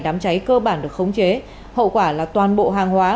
đám cháy cơ bản được khống chế hậu quả là toàn bộ hàng hóa